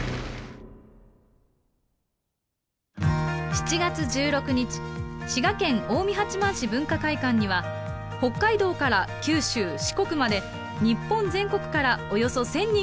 ７月１６日滋賀県近江八幡市文化会館には北海道から九州四国まで日本全国からおよそ１，０００人が集まりました。